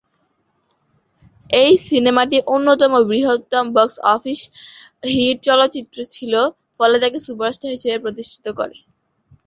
এই সিনেমাটি অন্যতম বৃহত্তম বক্স অফিস হিট চলচ্চিত্র ছিল ফলে তাকে সুপারস্টার হিসেবে প্রতিষ্ঠিত করে।